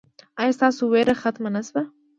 ایا ستاسو ویره ختمه نه شوه؟